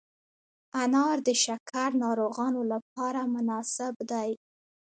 انار د شکر ناروغانو لپاره مناسب دی.